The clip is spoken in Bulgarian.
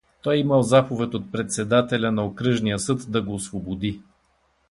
Той имал заповед от председателя на окръжния съд да го освободи.